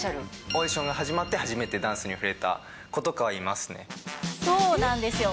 オーディションが始まって初めてダンスに触れた子とかはいまそうなんですよ。